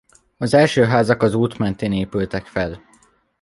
Az első házak az út mentén épültek fel.